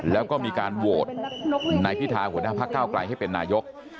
แล้วก็มีการโหวตนายพิธาหัวหน้าพักเก้าไกลให้เป็นนายก